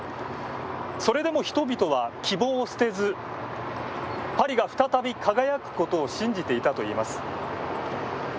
それでも人々は希望を捨てずパリが再び輝くことを信じていたといいます。